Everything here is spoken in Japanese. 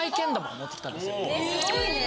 すごいね。